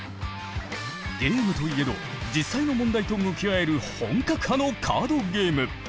ゲームといえど実際の問題と向き合える本格派のカードゲーム。